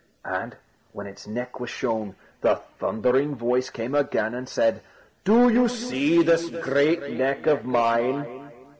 And when its neck was shown, the thundering voice came again and said: "Do you see this great neck of mine?"